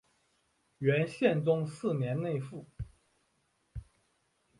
元宪宗四年内附。